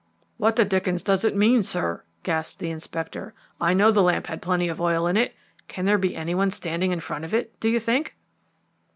"What the dickens does it mean, sir?" gasped the Inspector. "I know the lamp had plenty of oil in it. Can there be any one standing in front of it, do you think?"